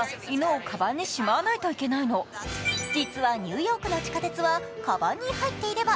実は、ニューヨークの地下鉄はかばんに入っていれば